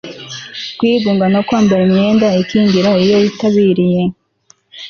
kwigunga no kwambara imyenda ikingira iyo witabiriye